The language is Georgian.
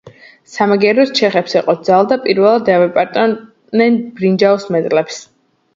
სამაგიეროდ ჩეხებს ეყოთ ძალა და პირველად დაეპატრონნენ ბრინჯაოს მედლებს.